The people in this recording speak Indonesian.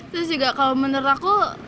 terus juga kalau menurut aku